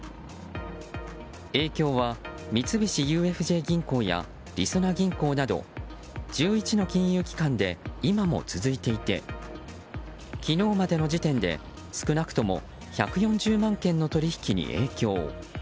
影響は三菱ＵＦＪ銀行やりそな銀行など１１の金融機関で今も続いていて昨日までの時点で少なくとも１４０万件の取引に影響。